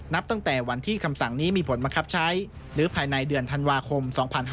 นับตั้งแต่วันที่คำสั่งนี้มีผลบังคับใช้หรือภายในเดือนธันวาคม๒๕๕๙